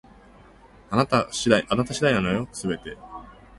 あなた次第なのよ、全て